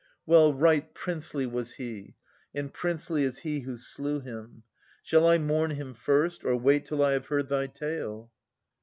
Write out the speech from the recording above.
Well, right princely was he ! And princely is he who slew him. Shall I mourn Him first, or wait till I have heard thy tale?